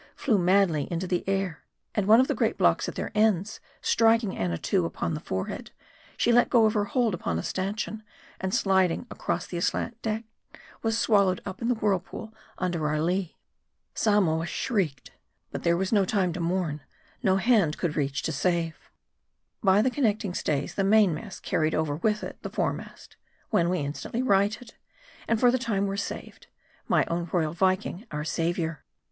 143 flew madly into the air, and one of the great blocks at their ends, striking Annatoo upon the forehead, she let go her hold upon a stanchion, and sliding across the aslant deck, was swallowed up in the whirlpool under our lea. Samoa shrieked. But there was no time to mourn ; no hand could reach to save. By the connecting stays, the mainmast carried over with it the foremast ; when we instantly righted, and for the time were saved ; my own royal Viking our saviour.